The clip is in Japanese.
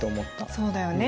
そうだよね。